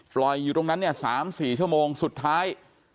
ปล่อยอยู่ตรงนั้นเนี่ยสามสี่ชั่วโมงสุดท้าย